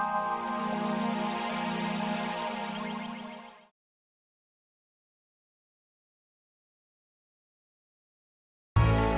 apa kamu kalau bu sekam'